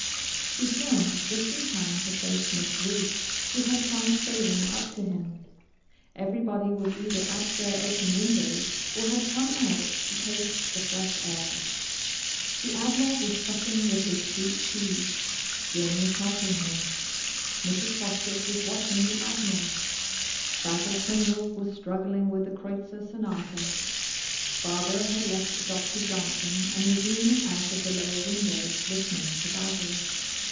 He turned just in time to face Miss Ruth, who had come sailing up to him. Everybody was either at their open windows, or had come out to taste the fresh air. The Admiral was fussing with his sweet peas; Jim was helping him; Mrs. Poskett was watching the Admiral; Basil Pringle was struggling with the Kreutzer Sonata; Barbara had left Doctor Johnson and was leaning out of the lower window; listening to Basil.